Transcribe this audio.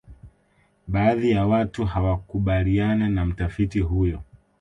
baadhi ya watu hawakubaliana na mtafiti huyo